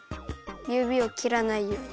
ゆびをきらないように。